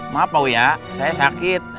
maaf pak wuyah saya sakit